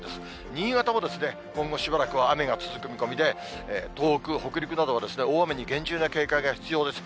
新潟も今後しばらくは雨が続く見込みで、東北、北陸などは、大雨に厳重な警戒が必要です。